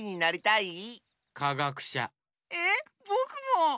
えっぼくも！